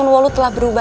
semoga takdir baik